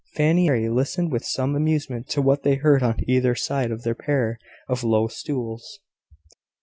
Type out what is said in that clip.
Fanny and Mary listened with some amusement to what they heard on either side of their pair of low stools.